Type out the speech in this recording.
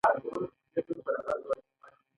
لومړۍ پوهه د مطالعې په اساس ده.